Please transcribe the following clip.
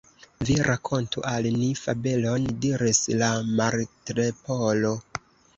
"Vi rakontu al ni fabelon," diris la Martleporo.